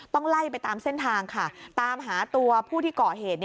ต้องไล่ไปตามเส้นทางค่ะตามหาตัวผู้ที่ก่อเหตุ